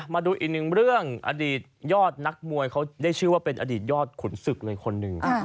มาดูอีกหนึ่งเรื่องอดีตยอดนักมวยเขาได้ชื่อว่าเป็นอดีตยอดขุนศึกเลยคนหนึ่ง